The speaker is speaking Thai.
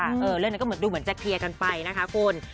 เรื่องนี้ก็ดูเหมือนแจ๊คเคลียร์กันไปนะคะคุณ